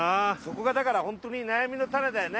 こがだから本当に悩みの種だよね。